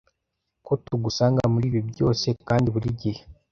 ko tugusanga muri byose kandi burigihe